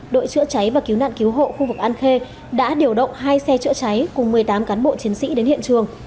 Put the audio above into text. đội chữa cháy và cứu nạn cứu hộ khu vực an khê đã điều động hai xe chữa cháy cùng một mươi tám cán bộ chiến sĩ đến hiện trường